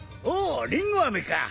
おおりんごあめか！